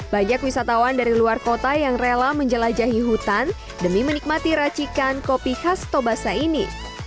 banyak wisatawan dari luar kota yang rela menjelajahi hutan demi menikmati racikan kopi khas tobasa ini